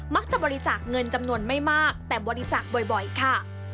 บริจาคเงินจำนวนไม่มากแต่บริจาคบ่อยค่ะ